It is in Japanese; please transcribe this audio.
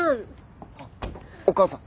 あっお義母さん？